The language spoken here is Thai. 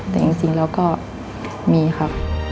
แต่จริงแล้วก็มีครับ